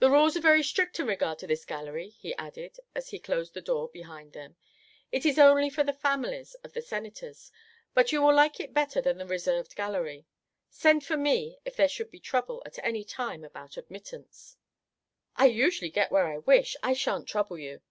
"The rules are very strict in regard to this gallery," he added, as he closed the door behind them. "It is only for the families of the Senators, but you will like it better than the reserved gallery. Send for me if there should be trouble at any time about admittance." "I usually get where I wish! I sha'n't trouble you."